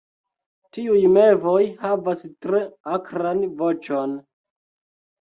Tiuj mevoj havas tre akran voĉon.